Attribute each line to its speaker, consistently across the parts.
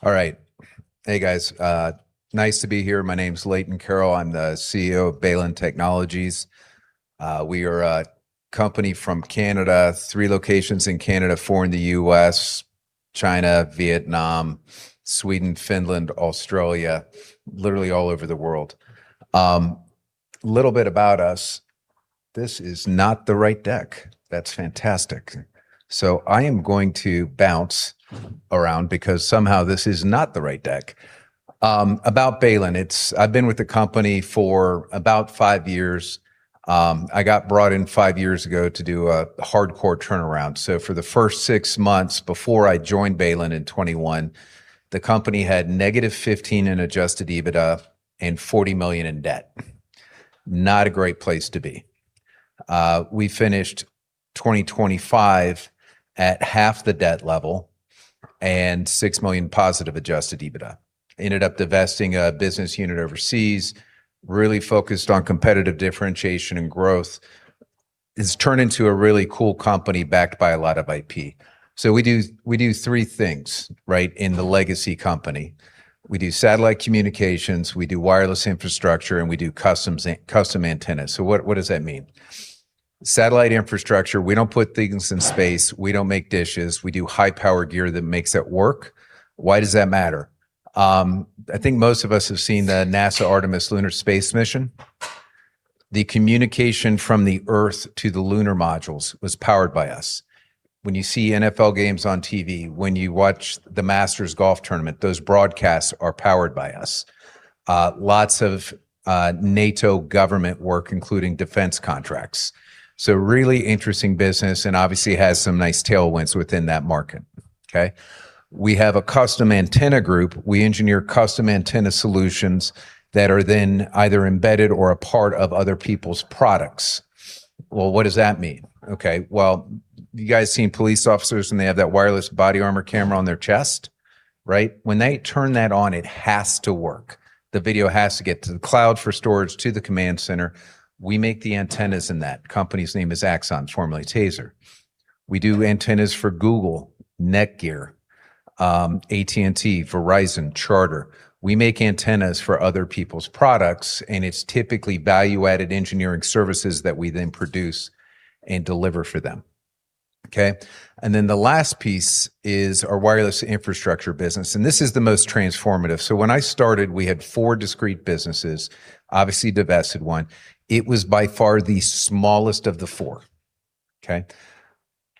Speaker 1: All right. Hey, guys. Nice to be here. My name's Leighton Carroll. I'm the CEO of Baylin Technologies. We are a company from Canada, three locations in Canada, four in the U.S., China, Vietnam, Sweden, Finland, Australia, literally all over the world. Little bit about us. This is not the right deck. That's fantastic. I am going to bounce around because somehow this is not the right deck. About Baylin, I've been with the company for about five years. I got brought in five years ago to do a hardcore turnaround. For the first six months before I joined Baylin in 2021, the company had -15 in adjusted EBITDA and 40 million in debt. Not a great place to be. We finished 2025 at half the debt level and 6 million positive adjusted EBITDA. Ended up divesting a business unit overseas, really focused on competitive differentiation and growth. It's turned into a really cool company backed by a lot of IP. We do three things, right, in the legacy company. We do satellite communications, we do wireless infrastructure, and we do custom antennas. What does that mean? Satellite infrastructure, we don't put things in space. We don't make dishes. We do high-power gear that makes it work. Why does that matter? I think most of us have seen the NASA Artemis lunar space mission. The communication from the Earth to the lunar modules was powered by us. When you see NFL games on TV, when you watch the Masters golf tournament, those broadcasts are powered by us. Lots of NATO government work, including defense contracts. Really interesting business and obviously has some nice tailwinds within that market. Okay? We have a custom antenna group. We engineer custom antenna solutions that are then either embedded or a part of other people's products. Well, what does that mean? Okay. Well, you guys seen police officers and they have that wireless body armor camera on their chest, right? When they turn that on, it has to work. The video has to get to the cloud for storage, to the command center. We make the antennas in that. Company's name is Axon, formerly Taser. We do antennas for Google, Netgear, AT&T, Verizon, Charter. We make antennas for other people's products, and it's typically value-added engineering services that we then produce and deliver for them. Okay? The last piece is our wireless infrastructure business, and this is the most transformative. When I started, we had four discrete businesses. Obviously, divested one. It was by far the smallest of the four. Okay? It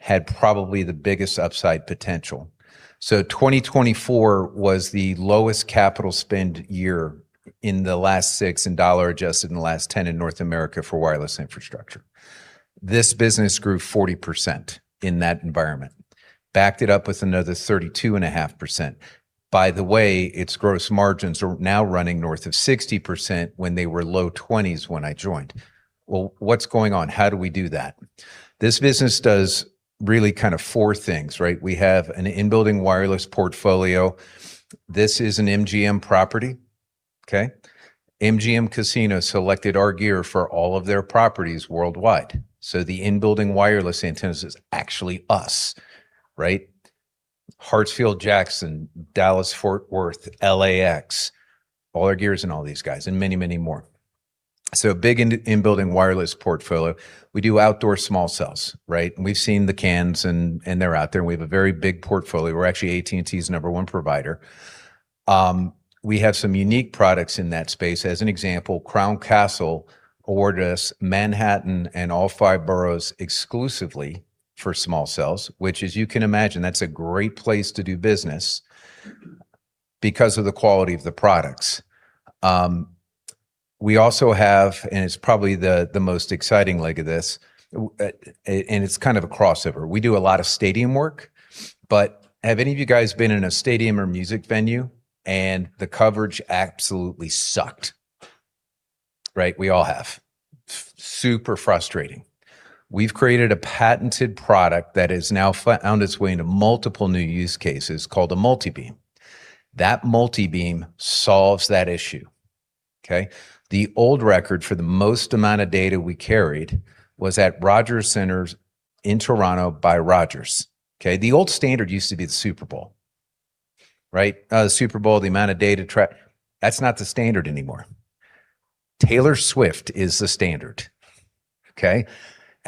Speaker 1: had probably the biggest upside potential. 2024 was the lowest capital spend year in the last six and dollar-adjusted in the last 10 in North America for wireless infrastructure. This business grew 40% in that environment. Backed it up with another 32.5%. By the way, its gross margins are now running north of 60% when they were low 20s when I joined. Well, what's going on? How do we do that? This business does really four things, right? We have an in-building wireless portfolio. This is an MGM property. Okay? MGM Casino selected our gear for all of their properties worldwide. The in-building wireless antennas is actually us, right? Hartsfield-Jackson, Dallas-Fort Worth, LAX, all our gears in all these guys and many, many more. Big in-building wireless portfolio. We do outdoor small cells, right? We've seen the cans, and they're out there, and we have a very big portfolio. We're actually AT&T's number one provider. We have some unique products in that space. As an example, Crown Castle awarded us Manhattan and all five boroughs exclusively for small cells, which as you can imagine, that's a great place to do business because of the quality of the products. We also have, and it's probably the most exciting leg of this, and it's kind of a crossover. We do a lot of stadium work, but have any of you guys been in a stadium or music venue and the coverage absolutely sucked? Right. We all have. Super frustrating. We've created a patented product that has now found its way into multiple new use cases called a multibeam. That multibeam solves that issue. Okay. The old record for the most amount of data we carried was at Rogers Centre in Toronto by Rogers. Okay. The old standard used to be the Super Bowl. Right. Super Bowl, the amount of data. That's not the standard anymore. Taylor Swift is the standard. Okay.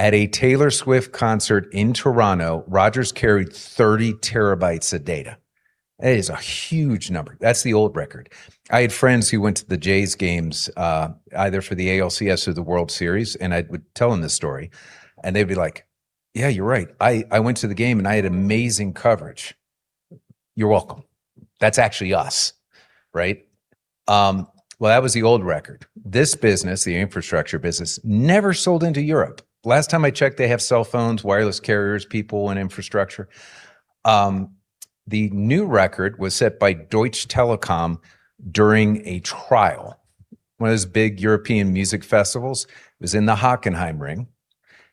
Speaker 1: At a Taylor Swift concert in Toronto, Rogers carried 30 TB of data. That is a huge number. That's the old record. I had friends who went to the Jays games, either for the ALCS or the World Series, and I would tell them this story, and they'd be like, "Yeah, you're right. I went to the game, and I had amazing coverage." You're welcome. That's actually us, right. That was the old record. This business, the infrastructure business, never sold into Europe. Last time I checked, they have cell phones, wireless carriers, people, and infrastructure. The new record was set by Deutsche Telekom during a trial, one of those big European music festivals. It was in the Hockenheimring.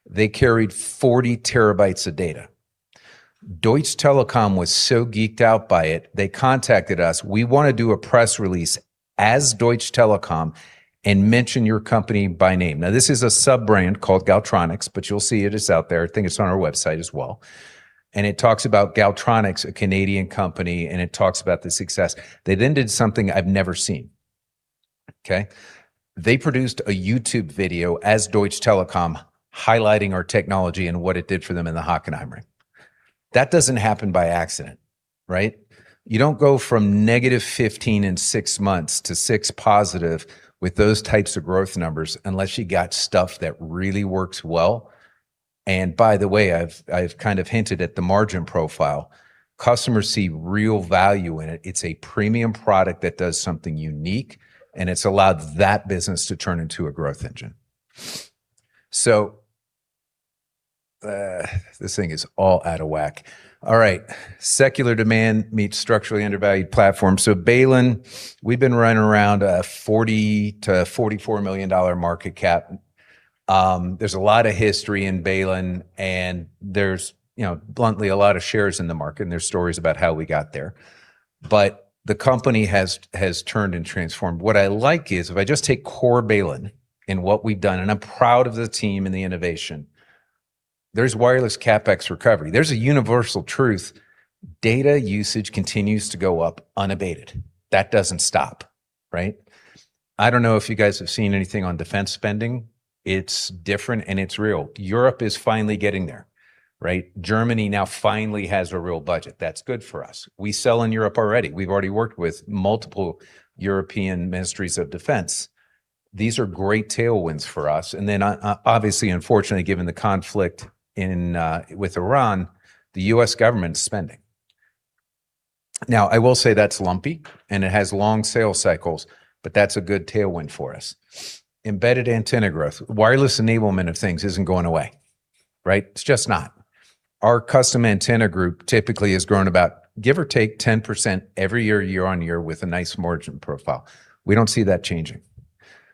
Speaker 1: They carried 40 TB of data. Deutsche Telekom was so geeked out by it, they contacted us, "We want to do a press release As Deutsche Telekom and mention your company by name. Now, this is a sub-brand called Galtronics, but you'll see it is out there. I think it's on our website as well. It talks about Galtronics, a Canadian company, and it talks about the success. They did something I've never seen, okay. They produced a YouTube video as Deutsche Telekom highlighting our technology and what it did for them in the Hockenheimring. That doesn't happen by accident, right. You don't go from -15 in six months to six positive with those types of growth numbers unless you got stuff that really works well. By the way, I've hinted at the margin profile. Customers see real value in it. It's a premium product that does something unique, and it's allowed that business to turn into a growth engine. This thing is all out of whack. All right. Secular demand meets structurally undervalued platform. Baylin, we've been running around a 40 million-44 million dollar market cap. There's a lot of history in Baylin, and there's bluntly a lot of shares in the market, and there's stories about how we got there. The company has turned and transformed. What I like is if I just take core Baylin and what we've done, and I'm proud of the team and the innovation, there's wireless CapEx recovery. There's a universal truth. Data usage continues to go up unabated. That doesn't stop, right? I don't know if you guys have seen anything on defense spending. It's different, and it's real. Europe is finally getting there, right? Germany now finally has a real budget. That's good for us. We sell in Europe already. We've already worked with multiple European ministries of defense. These are great tailwinds for us. Unfortunately, given the conflict with Iran, the U.S. government's spending. I will say that's lumpy, and it has long sales cycles, but that's a good tailwind for us. Embedded antenna growth. Wireless enablement of things isn't going away. Right? It's just not. Our custom antenna group typically has grown about give or take 10% every year-over-year with a nice margin profile. We don't see that changing.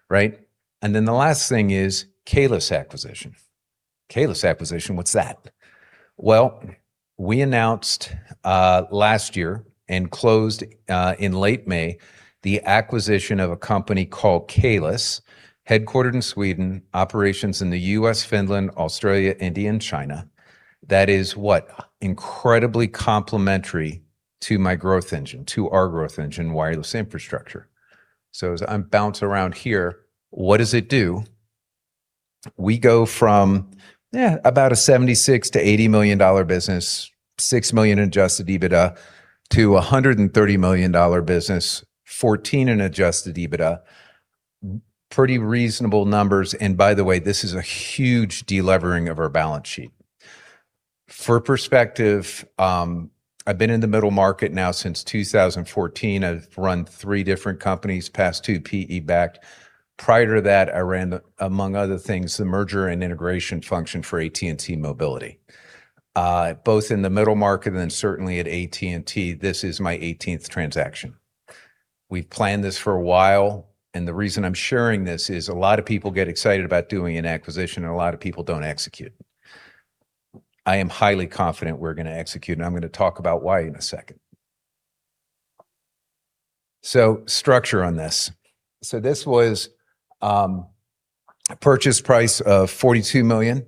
Speaker 1: Right? The last thing is Kaelus acquisition. Kaelus acquisition, what's that? Well, we announced last year and closed in late May the acquisition of a company called Kaelus, headquartered in Sweden, operations in the U.S., Finland, Australia, India, and China. That is what? Incredibly complementary to my growth engine, to our growth engine, wireless infrastructure. As I bounce around here, what does it do? We go from about a 76 million to 80 million dollar business, 6 million adjusted EBITDA, to 130 million dollar business, 14 million in adjusted EBITDA. Pretty reasonable numbers. By the way, this is a huge de-levering of our balance sheet. For perspective, I've been in the middle market now since 2014. I've run three different companies, past two PE-backed. Prior to that, I ran, among other things, the merger and integration function for AT&T Mobility. Both in the middle market and certainly at AT&T, this is my 18th transaction. We've planned this for a while, and the reason I'm sharing this is a lot of people get excited about doing an acquisition, and a lot of people don't execute. I am highly confident we're going to execute, and I'm going to talk about why in a second. Structure on this. This was a purchase price of 42 million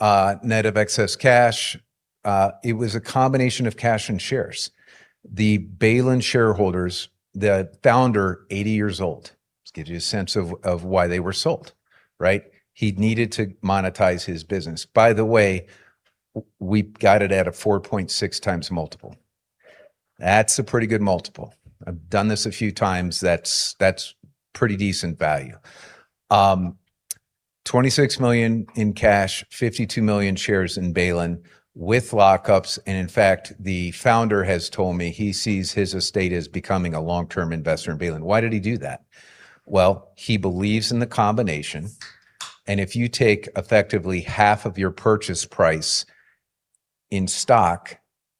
Speaker 1: net of excess cash. It was a combination of cash and shares. The Baylin shareholders, the founder, 80 years old. This gives you a sense of why they were sold, right? He needed to monetize his business. By the way, we got it at a 4.6x multiple. That's a pretty good multiple. I've done this a few times. That's pretty decent value. 26 million in cash, 52 million shares in Baylin with lockups, and in fact, the founder has told me he sees his estate as becoming a long-term investor in Baylin. Why did he do that? Well, he believes in the combination, and if you take effectively half of your purchase price in stock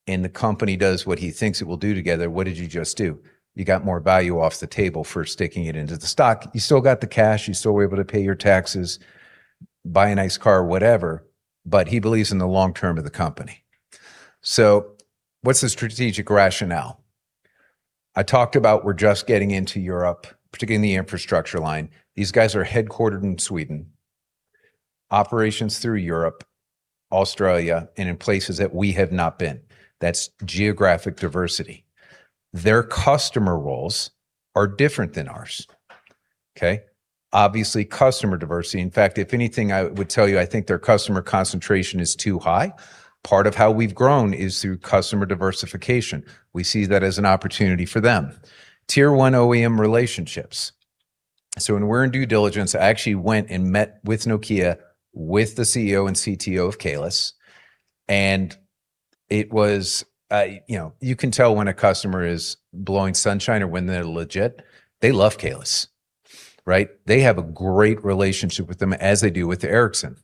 Speaker 1: and the company does what he thinks it will do together, what did you just do? You got more value off the table for sticking it into the stock. You still got the cash. You're still able to pay your taxes, buy a nice car, whatever. But he believes in the long term of the company. What's the strategic rationale? I talked about we're just getting into Europe, particularly in the infrastructure line. These guys are headquartered in Sweden, operations through Europe, Australia, and in places that we have not been. That's geographic diversity. Their customer roles are different than ours, okay? Obviously, customer diversity. In fact, if anything, I would tell you I think their customer concentration is too high. Part of how we've grown is through customer diversification. We see that as an opportunity for them. Tier 1 OEM relationships. When we're in due diligence, I actually went and met with Nokia, with the CEO and CTO of Kaelus, and you can tell when a customer is blowing sunshine or when they're legit. They love Kaelus, right? They have a great relationship with them, as they do with Ericsson.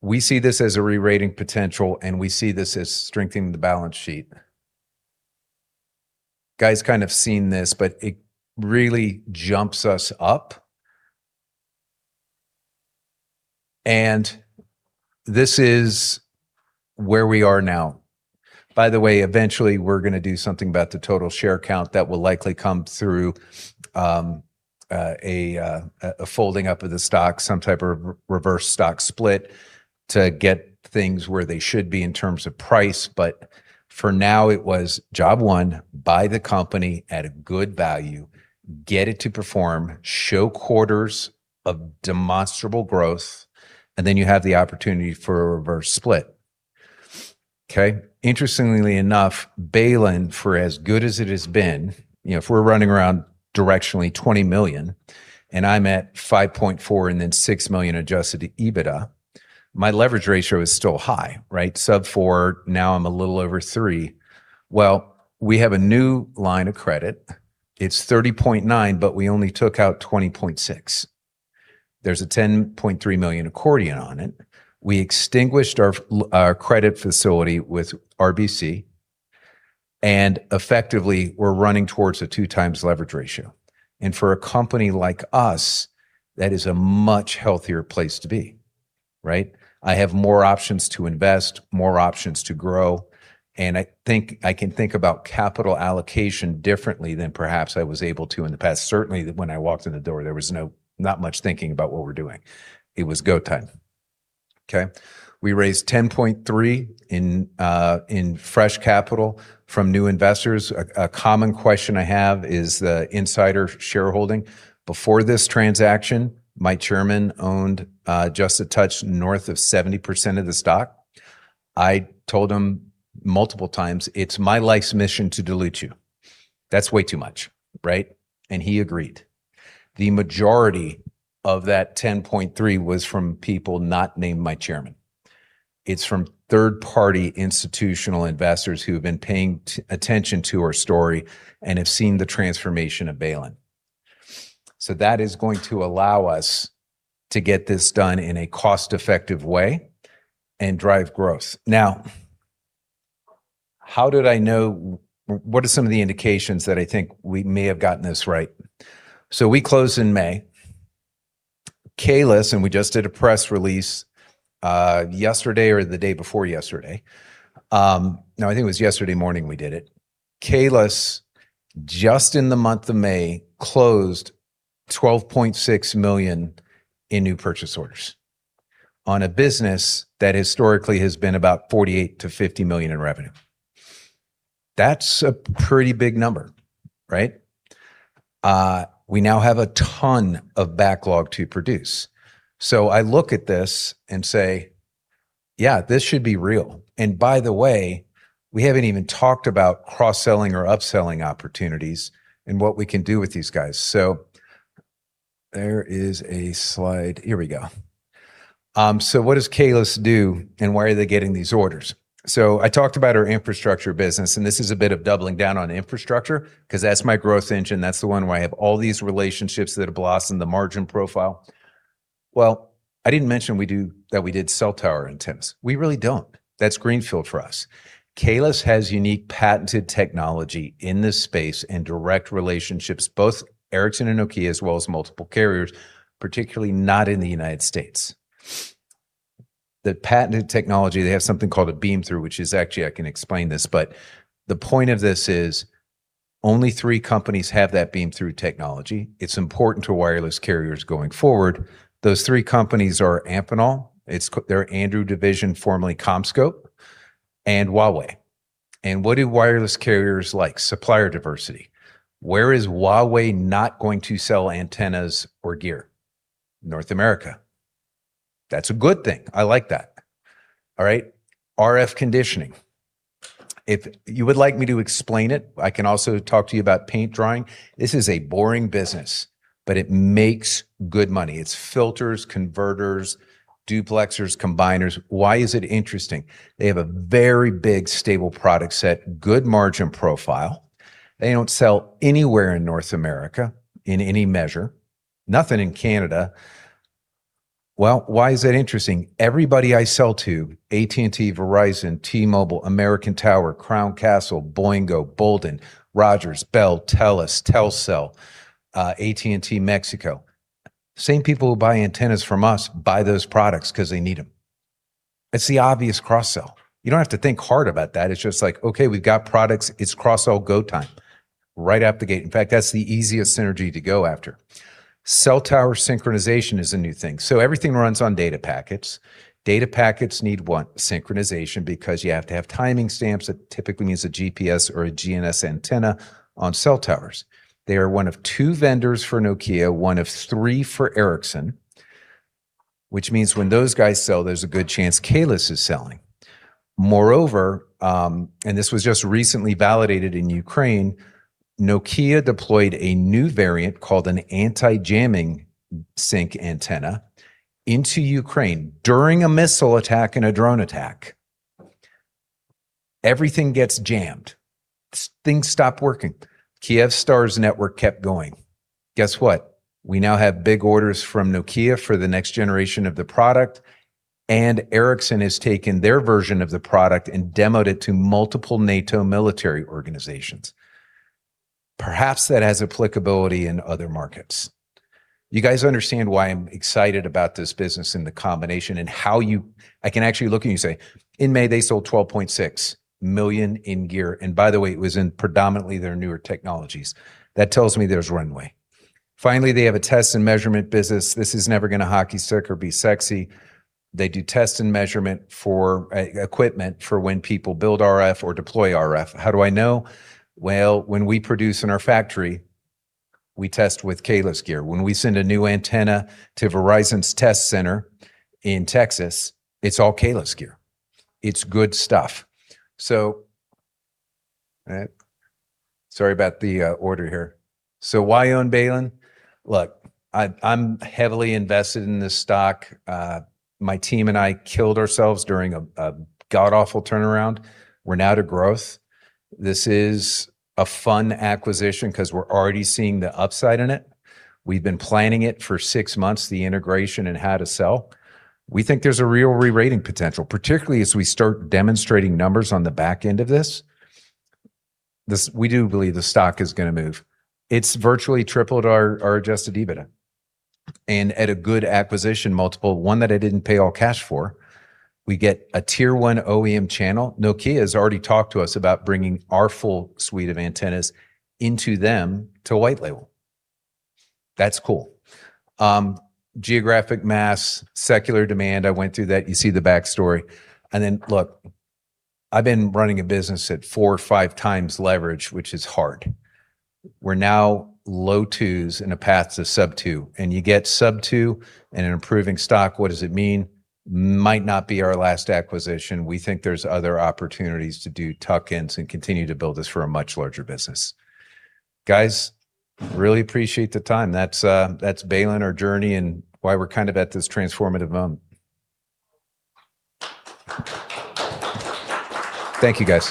Speaker 1: We see this as a re-rating potential, and we see this as strengthening the balance sheet. Guys kind of seen this, but it really jumps us up. This is where we are now. By the way, eventually we're going to do something about the total share count that will likely come through a folding up of the stock, some type of reverse stock split to get things where they should be in terms of price. For now, it was job one, buy the company at a good value, get it to perform, show quarters of demonstrable growth, and then you have the opportunity for a reverse split. Okay? Interestingly enough, Baylin, for as good as it has been, if we're running around directionally 20 million and I'm at 5.4 million and then 6 million adjusted to EBITDA, my leverage ratio is still high, right? Sub 4, now I'm a little over 3. Well, we have a new line of credit. It's 30.9 million, but we only took out 20.6 million. There's a 10.3 million accordion on it. We extinguished our credit facility with RBC and effectively we're running towards a 2x leverage ratio. For a company like us, that is a much healthier place to be. Right? I have more options to invest, more options to grow, and I think I can think about capital allocation differently than perhaps I was able to in the past. Certainly when I walked in the door, there was not much thinking about what we're doing. It was go time. Okay? We raised 10.3 in fresh capital from new investors. A common question I have is the insider shareholding. Before this transaction, my chairman owned just a touch north of 70% of the stock. I told him multiple times, "It's my life's mission to dilute you. That's way too much." Right? He agreed. The majority of that 10.3 was from people not named my chairman. It's from third-party institutional investors who have been paying attention to our story and have seen the transformation of Baylin. That is going to allow us to get this done in a cost-effective way and drive growth. What are some of the indications that I think we may have gotten this right? We closed in May. Kaelus, and we just did a press release yesterday or the day before yesterday. No, I think it was yesterday morning we did it. Kaelus, just in the month of May, closed 12.6 million in new purchase orders on a business that historically has been about 48 million-50 million in revenue. That's a pretty big number, right? We now have a ton of backlog to produce. I look at this and say, "Yeah, this should be real." By the way, we haven't even talked about cross-selling or upselling opportunities and what we can do with these guys. There is a slide. Here we go. What does Kaelus do and why are they getting these orders? I talked about our infrastructure business, and this is a bit of doubling down on infrastructure because that's my growth engine. That's the one where I have all these relationships that have blossomed the margin profile. Well, I didn't mention that we did cell tower antennas. We really don't. That's greenfield for us. Kaelus has unique patented technology in this space and direct relationships, both Ericsson and Nokia, as well as multiple carriers, particularly not in the U.S. The patented technology, they have something called a beamthrough, which is actually, I can explain this, but the point of this is only three companies have that beamthrough technology. It's important to wireless carriers going forward. Those three companies are Amphenol, their Andrew division, formerly CommScope, and Huawei. What do wireless carriers like? Supplier diversity. Where is Huawei not going to sell antennas or gear? North America. That's a good thing. I like that. All right? RF conditioning. If you would like me to explain it, I can also talk to you about paint drying. This is a boring business, but it makes good money. It's filters, converters, duplexers, combiners. Why is it interesting? They have a very big, stable product set, good margin profile. They don't sell anywhere in North America in any measure. Nothing in Canada. Well, why is that interesting? Everybody I sell to, AT&T, Verizon, T-Mobile, American Tower, Crown Castle, Boingo, Boldyn, Rogers, Bell, TELUS, Telcel, AT&T Mexico. Same people who buy antennas from us buy those products because they need them. It's the obvious cross-sell. You don't have to think hard about that. It's just like, okay, we've got products. It's cross-sell go time right out the gate. In fact, that's the easiest synergy to go after. Cell tower synchronization is a new thing. Everything runs on data packets. Data packets need what? Synchronization, because you have to have timing stamps. That typically means a GPS or a GNSS antenna on cell towers. They are one of two vendors for Nokia, one of three for Ericsson, which means when those guys sell, there's a good chance Kaelus is selling. Moreover, this was just recently validated in Ukraine, Nokia deployed a new variant called an anti-jamming sync antenna into Ukraine during a missile attack and a drone attack. Everything gets jammed. Things stop working. Kyivstar's network kept going. Guess what? We now have big orders from Nokia for the next generation of the product, and Ericsson has taken their version of the product and demoed it to multiple NATO military organizations. Perhaps that has applicability in other markets. You guys understand why I'm excited about this business and the combination and I can actually look at you and say, in May, they sold 12.6 million in gear, by the way, it was in predominantly their newer technologies. That tells me there's runway. Finally, they have a test and measurement business. This is never going to hockey stick or be sexy. They do test and measurement for equipment for when people build RF or deploy RF. How do I know? Well, when we produce in our factory, we test with Kaelus gear. When we send a new antenna to Verizon's test center in Texas, it's all Kaelus gear. It's good stuff. Sorry about the order here. Why own Baylin? Look, I'm heavily invested in this stock. My team and I killed ourselves during a god-awful turnaround. We're now to growth. This is a fun acquisition because we're already seeing the upside in it. We've been planning it for six months, the integration and how to sell. We think there's a real re-rating potential, particularly as we start demonstrating numbers on the back end of this. We do believe the stock is going to move. It's virtually tripled our adjusted EBITDA. At a good acquisition multiple, one that I didn't pay all cash for. We get a Tier 1 OEM channel. Nokia has already talked to us about bringing our full suite of antennas into them to white label. That's cool. Geographic mass, secular demand, I went through that. You see the backstory. Look, I've been running a business at four or five times leverage, which is hard. We're now low 2s and a path to Sub 2, and you get Sub 2 and an improving stock. What does it mean? Might not be our last acquisition. We think there's other opportunities to do tuck-ins and continue to build this for a much larger business. Guys, really appreciate the time. That's Baylin, our journey, and why we're kind of at this transformative moment. Thank you, guys.